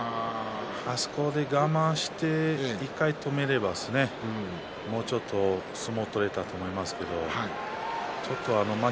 あそこで我慢して１回止めれば、もうちょっと相撲が取れたと思います。